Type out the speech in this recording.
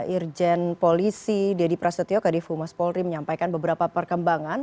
irjen polisi dedy prasetyo kadifu mas polri menyampaikan beberapa perkembangan